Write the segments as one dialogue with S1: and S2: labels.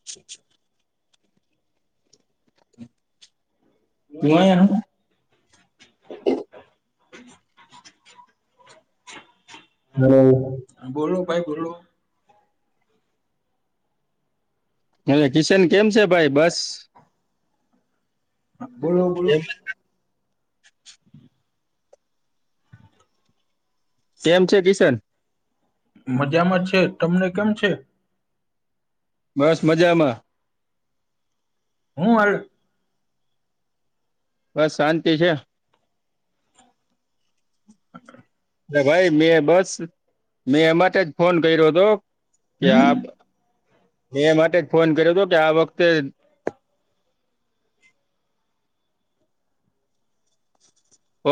S1: [inaudible] [unintelligible] [inaudible] [unintelligible]
S2: બોલો ભાઈ બોલો
S1: હે કિશન કેમ છે ભાઈ બસ
S2: બોલો બોલો
S1: કેમ છે કિશન
S2: મજામાં છે તમને કેમ છે?
S1: બસ મજામાં
S2: હું હાલે
S1: બસ શાંતિ છે. મોટા ભાઈ મેં બસ મેં એ માટે જ ફોન કર્યો હતો કે
S2: હમ
S1: આબ મે એ માટે જ ફોન કર્યો હતો કે આ વખતે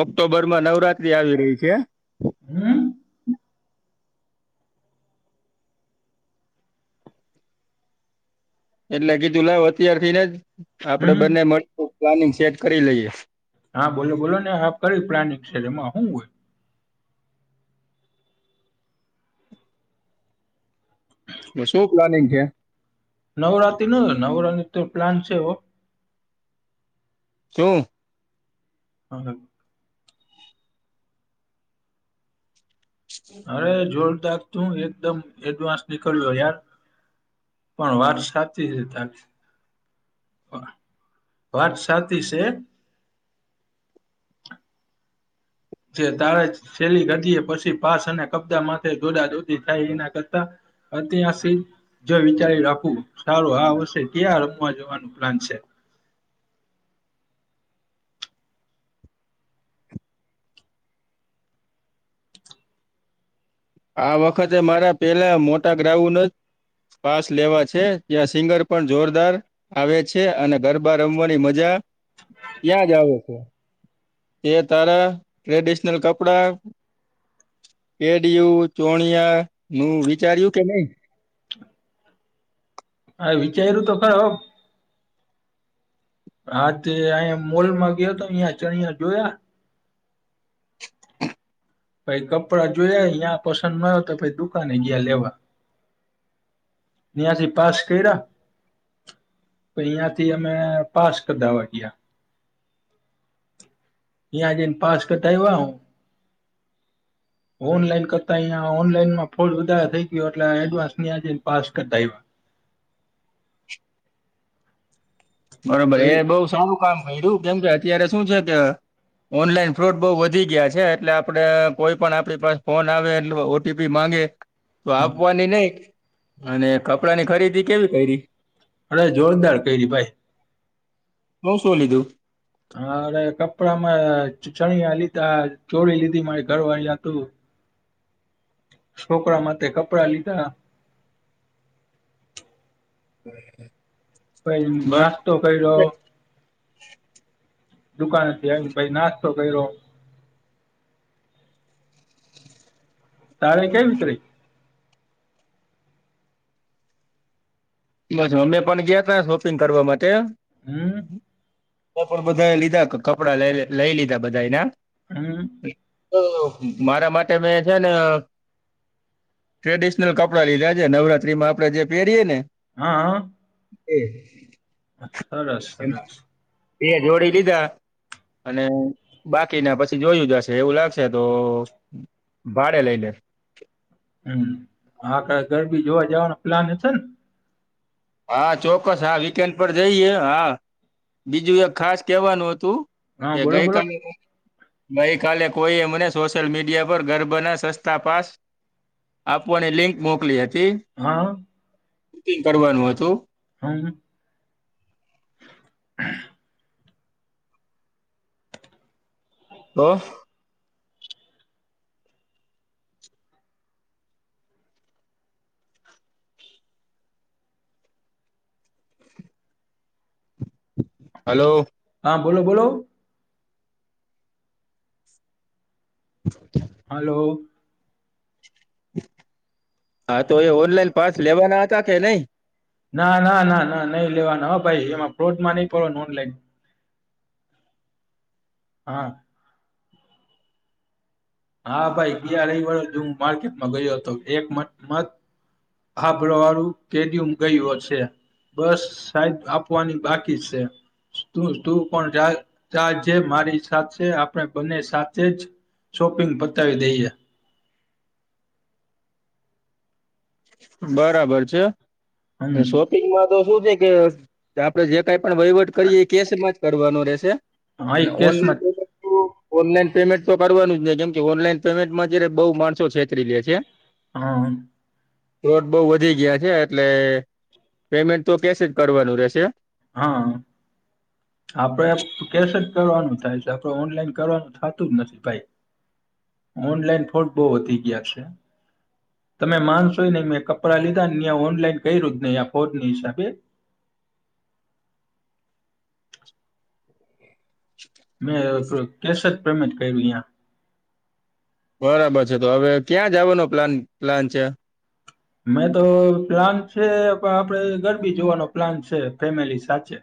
S1: ઓક્ટોબર માં નવરાત્રી આવી રહી છે.
S2: હમ્મ
S1: એટલે કીધું લાવ અત્યાર થી ન જ આપડે
S2: હમ
S1: બંને મળતું પ્લાનિંગ સેટ કરી લઈએ.
S2: હા, બોલો બોલો ને આપ ક્યુ પ્લાનિંગ છે એમાં હું હોય
S1: એમાં શું પ્લાનિંગ છેે
S2: નવરાત્રીનો ન નવરાત્રી તો પ્લાન છે હો.
S1: શું?
S2: હઅ. અરે જોરદાર, તું એકદમ એડવાન્સ નીકળ્યો યાર. પણ વાત સાચી છે તારી. વાત સાચી શે. જે તારે છેેલ્લી ઘડીએ પસી પાસ અને કપજા માટે દોઢા-દોઢી થાય કઈના કરતા અત્યા શી જો વિચારી રાખું, સારું આ વર્ષે ક્યાં રમવા જવાનું પ્લાન છે?
S1: આ વખતે મારા પેલા મોટા ગ્રાઉન જ પાસ લેવા છે, ત્યાં સિંગર પણ જોરદાર આવે છે અને ગરબા રમવાની મજા ત્યાં જ આવે છે, એ તારા ટ્રેડિશનલ કપડા ડીયુ, ચોણિયાનું વિચાર્યું કે નઈ?
S2: આ વિચાર્યું તો ખરું હા, તે અઈયા મોલમાં ગયો તો ત્યા ચણિયા જોયા પહી કપડાં જોયા અહીયાં પસંદ ન હોય તો પહી દુકાને ગયા લેવા. બ્યાશી પાસ કર્યા તઈયાથી અમે પાસ કઢાવા ગયા. ન્યા જઈને પાસ્ટ પેલા
S1: [inaudible]
S2: ઓનલાઈન કરતા ઈયા ઓનલાઈનમાં ફોલ વધારે થઈ ગયો એટલે એડવાન્સ ન્યા જઈન પાસ કઢાયવા.
S1: બરોબર, એ
S2: પછી
S1: બઉ સારું કામ કર્યું કેમ કે અત્યારે શું છે ત ઓનલાઈન ફ્રોડ બઉ વધી ગયા છે, એટલે આપડે કોઈ પણ આપડી પાસ ફોન આવે, એટલે ઓટીપી માંગે તો
S2: અરે
S1: આપવાની નઈ અને કપડાની ખરીદી કેવી કયરી?
S2: અરે જોરદાર કયરી ભાઈ.
S1: બઉ શું લીધું?
S2: હન, અરે કપડામાં ચ-ચણિયા લીધા, ચોળી લીધી મારી ઘરવાળી હાટુ. છોકરા માટે કપડાં લીધા
S1: [inaudible]
S2: તઈ
S1: બસ
S2: નાસ્તો કર્યો દુકાનથી આવીન પહી નાસ્તો કર્યો. તારે કઈ ઉતરે
S1: બસ, અમે પણ ગયા તા શોપિંગ કરવા માટે
S2: હમ.
S1: તો પણ બધા એ લીધા ક-કપડા લઈ લે લઈ લીધા બધાઈના.
S2: હમ.
S1: તો મારા માટે મે છે ને ટ્રેડિશનલ કપડા લીધા છે, નવરાત્રીમાં આપડે જે પેરીએ ને
S2: હાં
S1: એ
S2: સરસ, સરસ.
S1: બે જોડી લીધા અને બાકીના પસી જોયું જાશે, એવું લાગશે તો ભાડે લઈ લે
S2: હમ, હા ગ-ગરબી જોવા જવાનો પ્લાન હશે ન.
S1: હા, ચોક્કસ. હા, વીકેન્ડ પર જઈએ હા, બીજું એક ખાસ કેવાનું હતું
S2: હા
S1: કે
S2: બોલો બોલો
S1: ગઈકાલે ગઈ કાલે કોઈ મને સોશિ્યયલ મીડિયા પર ગરબા ના સસ્તા પાસ આપવાની લિંક મોકલી હતી.
S2: હા
S1: બુકિંગ કરવાનું હતું
S2: હમ
S1: બસ હલો
S2: હા બોલો બોલો
S1: ઓકે [unintelligible]
S2: હલો
S1: હા તો એ ઓનલાઈન પાસ લેવાના હતા કે નહી
S2: ના ના ના ના નહી લેવાના હ ભાઈ એમાં ફ્રૉડમાં નહી પડવાં નુ ઓનલાઈન હા હા ભાઈ ગયા રવિવારે જ હું માર્કેટમાં ગયો હતો એક મત આભલાવાળું કે દી ગયુ હશે બસ સાઈડ આપવાની બાકી છે. તું તું પણ જાગજે મારી સાથે આપણે બંને સાથે જ શોપિંગ પતાવી દઇએ
S1: બરાબર છે અને
S2: હમ
S1: શોપિંગમાં તો શું છે કે આપણે જે કંઈ પણ વહીવટ કરીએ એ કેશમાં જ કરવાનો રહેશે
S2: હા એ
S1: અને
S2: કેશમાં
S1: ઓનલાઈન ઓનલાઈન પેમેન્ટ તો કરવાનું જ નહી કેમ કે ઓનલાઈન પેમેન્ટમાં જયારે બહુ માણસો છેતરી લે છે
S2: હા
S1: રોડ બહુ વધી ગયા છે એટલે પેમેન્ટ તો કેશ જ કરવાનું રહેશે
S2: હા આપણે કેશ જ કરવાનું થાય છે આપણે ઓનલાઈન કરવાનું થતું જ નથી ભાઈ ઓનલાઈન ફ્રોડ બહુ વધી ગયા છે તમે માનશો નહી મેં કપડાં લીધા ઓનલાઈન ક્યું જ નહી ફ્રોડ ના હિસાબે
S1: શુક
S2: મેં તો કેશ જ પેમેન્ટ કર્યું અહીંયા
S1: બરાબર છે તો હવે ક્યાં જવાનો પ્લાન પ્લાન છે
S2: મેં તો પ્લાન છે પણ આપડે ગરબી જોવાનો પ્લાન છે ફેમિલી સાથે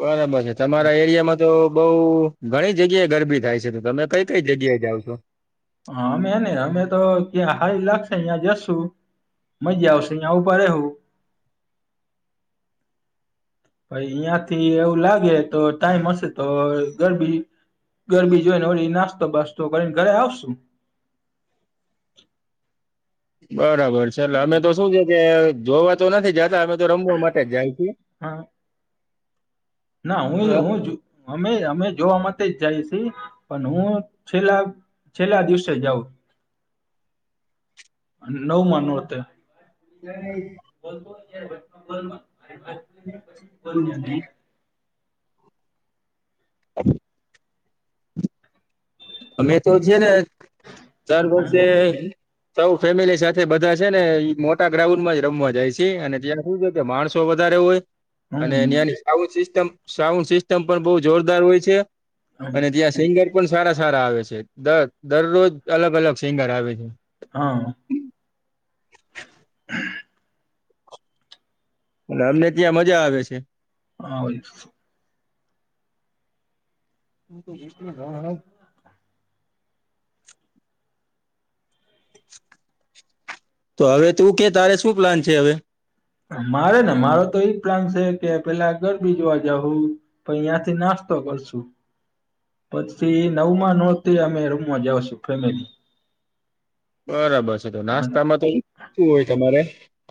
S1: બરાબર છે તમારા એરિયામાં તો બહુ ઘણી જગ્યાએ ગરબી થાય છે તો તમે કઈ કઈ જગ્યાએ જાવ છો.
S2: અમે ને અમે તો ક્યાં હારી લાગશે યાં જશુ મજા આવશે યા ઉભા રેહુ ભાઈ અહિયાંથી એવું લાગે તો ટાઈમ હશે તો ગરબી ગરબી જોઈ ને વળી નાસ્તો બાસતો કરીને ઘરે આવશું-
S1: બરાબર છે લાં અમે તો શું છે કે જોવા તો નથી જતા અમે તો રમવા માટે જ જાય છીએ.
S2: હા. ના હું હું અમે અમે જોવા માટે જ જાયશી પણ હું છેલ્લા છેલ્લા દિવસે જાઉ નવમા નોરતે બો [inaudible]
S1: હમ અમે તો છે ને ચાર વરસે
S2: હમ
S1: સૌ ફેમિલી સાથે બધા છે ને મોટા ગ્રાઉન્ડ માં જ રમવા જાય છે અને ત્યાં શું ત્યાં માણસો વધારે હોય અને
S2: હમ
S1: ત્યાંની સાઉન્ડ સિસ્ટમ સાઉન્ડ સિસ્ટમ પણ બહુ જોરદાર હોય છે
S2: હમ.
S1: અને ત્યાં સિંગર પણ સારા સારા આવે છે દર દરરોજ અલગ અલગ સિંગર આવે છે.
S2: હ
S1: અને અમને ત્યાં મજા આવે છે
S2: હાય.
S1: હૂં તો એક થી તો હવે તું કે તારે શું પ્લાન છે હવે?
S2: મારે ને મારો તો ઈ પ્લાન છે કે પેલા ગરબી જોવા જાહું પહી યાંથી નાસ્તો કરશું. પછી નવમાં નોરતે અમે રૂમમાં જાશું, ફેમિલી.
S1: બરાબર છે. તો નાસ્તામાં તો ઈ શું હોય તમારે?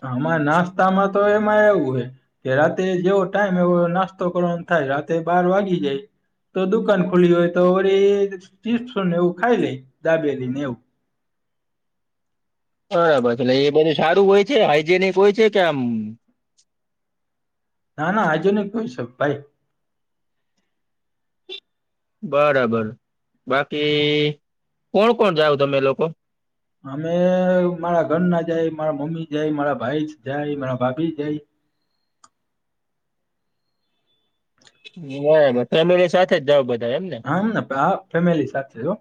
S2: આમાં નાસ્તામાં તો એમાં એવું હે કે રાતે જેવો ટાઈમ એવો નાસ્તો કરવાન થાય. રાતે બાર વાગી જાય તો દુકાન ખુલી હોય તો વળી ચિપ્સોન એવું ખાઈ લે. દાબેલીન એવું.
S1: બરાબર છે. એટલે એ બધું સારું હોય છે, હાઈજેનિક હોય છે કે આમ
S2: ના ના. હાઈજેનિક નુ છે ભાઈ.
S1: બરાબર. બાકી કોણ કોણ જાવ તમે લોકો?
S2: અમે મારા ઘરના જાય, મારા મમ્મી જાય, મારા ભાઈ જાય, મારા ભાભી જાય.
S1: બરાબર. ફેમિલી સાથે જ જાવ બધા એમને.
S2: હમન ને હા. ફેમિલી સાથે જ હો.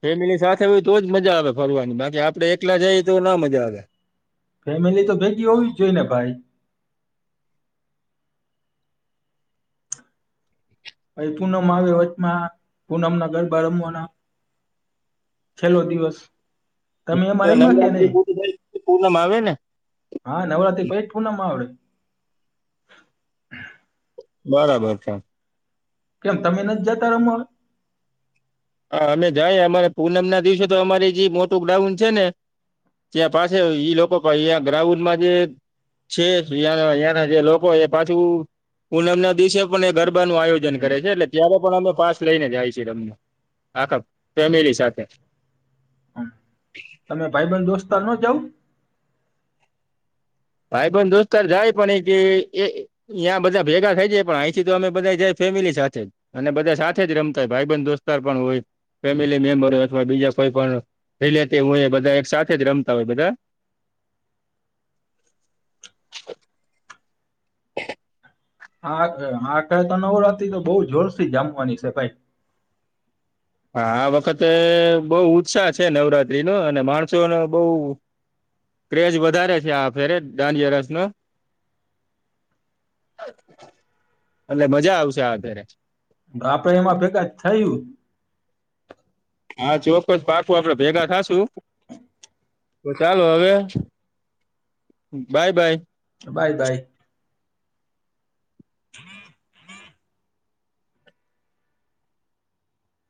S1: ફેમિલી સાથે હોય તો જ મજા આવે ફરવાની બાકી આપડે એકલા જાઈ તો ના મજા આવે.
S2: ફેમિલી તો ભેગી હોવી જ જોઈને ભાઈ. પછી પૂનમ આવે વચમાં. પૂનમના ગરબા રમવાના. છેલ્લો દિવસ તમે
S1: તો
S2: એમાં રમ્યા કે
S1: નવરાત્રી
S2: નહી
S1: પુરી થાય તો પૂનમ આવે ને.
S2: હા, નવરાત્રી પઈ જ પૂનમ આવે.
S1: બરાબર છે.
S2: કેમ તમે નથ જાતા રમવા?
S1: અ અમે જાય અમારે પૂનમના દિવસે તો અમારી જે મોટું ગ્રાઉન છે ને ત્યાં પાસે ઈ લોકો પા‌ઇ ગ્રાઉડમાં જે છે યાના યાના જે લોકો એ પાછું પૂનમના દિવસે પણ એ ગરબાનું આયોજન કરે છે એટલે ત્યારે પણ અમે પાસ લઈને જાઈ છી રમવા. આખા ફેમિલી સાથે.
S2: હમ, તમે ભાઈબન દોસ્તર નો જાવ?
S1: ભાઈબન દોસ્તાર જાય પણ એ કે એ યાં બધા ભેગા થઈ જાય પણ આઈથી તો અમે બધા જાય ફેમિલી સાથે જ. અને બધા સાથે જ રમતા હો. ભાઈબંધ દોસ્તાર પણ હોય. ફેમિલી મેમ્બર હોય અથવા બીજા કોઈ પણ રિલેટિવ હોય બધા એક સાથે જ રમતા હોય બધા. [unintelligible]
S2: હાઅ અ આ ફેર તો નવરાત્રી તો બોઉ જોશથી જામવાની છે ભાઈ.
S1: હા, આ વખતે બઉ ઉત્સાહ છે નવરાત્રી નો અને માણસોનો બોઉ ક્રેઝ વધારે છે આ ફેરે દાંડિયા-રાસ નો. એટલે મજા આવશે આ ફેરે.
S2: આપડે એમાં ભેગા થયું.
S1: હા, ચોક્કસ પાકું આપડે ભેગા થાશું. ચાલો હવે. Bye bye.
S2: Bye by. [unintelligible]